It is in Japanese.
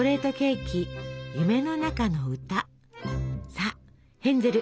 さあヘンゼル！